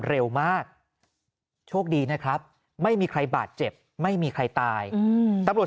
เร็วมากโชคดีนะครับไม่มีใครบาดเจ็บไม่มีใครตายตำรวจ